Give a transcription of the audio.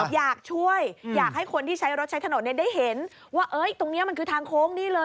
อยากช่วยอยากให้คนที่ใช้รถใช้ถนนได้เห็นว่าตรงนี้มันคือทางโค้งนี่เลย